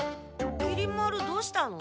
きり丸どうしたの？